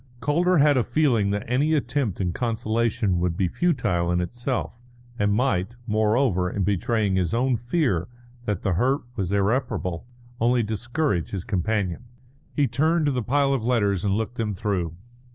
Calder had a feeling that any attempt at consolation would be futile in itself, and might, moreover, in betraying his own fear that the hurt was irreparable, only discourage his companion. He turned to the pile of letters and looked them through.